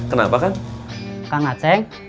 kenapa kan kak naceng